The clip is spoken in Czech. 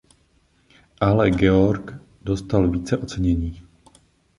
Ale Georg dostal více ocenění.